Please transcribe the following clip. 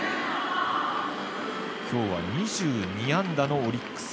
今日は２２安打のオリックス。